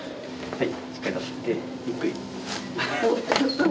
はい。